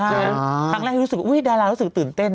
ครั้งแรกที่รู้สึกว่าดารารู้สึกตื่นเต้น